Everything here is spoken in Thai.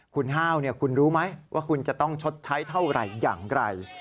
คุณห้าวคุณรู้ไหมว่าคุณจะต้องชดใช้เท่าไหร่อย่างไร